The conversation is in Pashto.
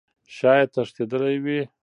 شايد تښتيدلى وي .